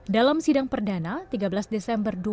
dalam sidang perdana tiga belas desember dua ribu dua puluh